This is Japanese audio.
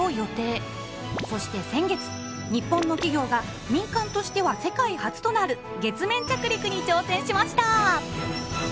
そして先月日本の企業が民間としては世界初となる月面着陸に挑戦しました！